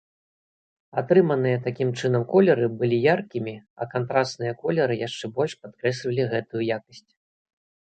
Атрыманыя такім чынам колеры былі яркімі, а кантрасныя колеры яшчэ больш падкрэслівалі гэтую якасць.